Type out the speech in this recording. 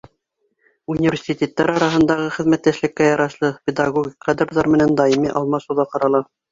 Университеттар араһындағы хеҙмәттәшлеккә ярашлы, педагогик кадрҙар менән даими алмашыу ҙа ҡарала.